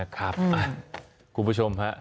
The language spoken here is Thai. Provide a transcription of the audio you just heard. ขอบคุณผู้ชมครับ